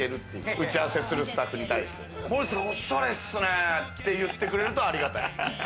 打ち合わせするスタッフに対して、「森田さん、おしゃれですね」って言ってくれるとありがたい。